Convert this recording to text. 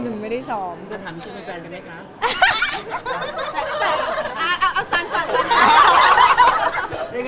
จะถามชื่อความเป็นแฟนกันไหมคะ